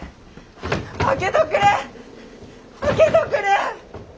開けとくれ開けとくれ！